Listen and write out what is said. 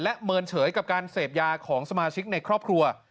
เมินเฉยกับการเสพยาของสมาชิกในครอบครัว